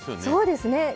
そうですね